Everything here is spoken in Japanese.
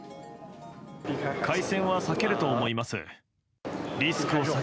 海鮮は避けると思います。